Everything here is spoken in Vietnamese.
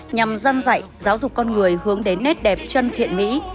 nhằm giam dạy giáo dục con người hướng đến nét đẹp chân thiện mỹ